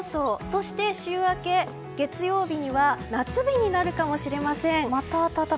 そして週明け、月曜日には夏日になるかもしれません。